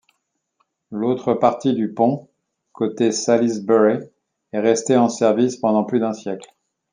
L'autre partie du pont, côté Salisbury, est restée en service pendant plus d'un siècle.